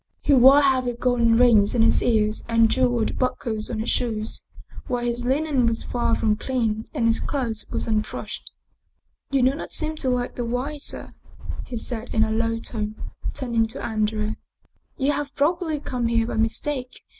He wore heavy golden rings in his ears and jeweled buckles on his shoes, while his linen was far from clean and his clothes were unbrushed. ." You do not seem to like the wine, sir," he said in a low tone, turning to Andrea. " You have probably come here by mistake.